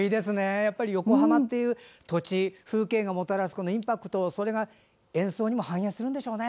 やっぱり横浜っていう土地風景がもたらすインパクト、それが演奏にも反映するんでしょうね。